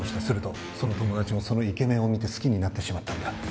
するとその友達もそのイケメンを見て好きになってしまったんだ。